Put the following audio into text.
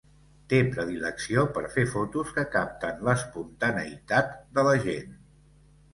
Té predilecció per fer fotos que capten l'espontaneïtat de la gent.